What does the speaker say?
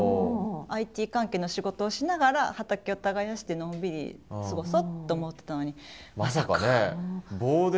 ＩＴ関係の仕事をしながら畑を耕してのんびり過ごそうと思ってたのにまさか。